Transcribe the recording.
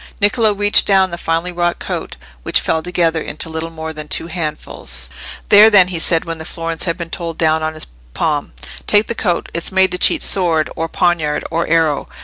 Niccolò reached down the finely wrought coat, which fell together into little more than two handfuls. "There, then," he said, when the florins had been told down on his palm. "Take the coat. It's made to cheat sword, or poniard, or arrow.